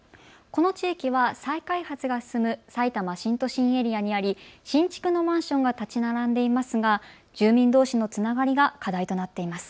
この地域は再開発が進むさいたま新都心エリアにあり新築のマンションが建ち並んでいますが、住民どうしのつながりが課題となっています。